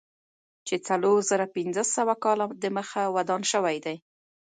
چې څلور زره پنځه سوه کاله دمخه ودان شوی دی.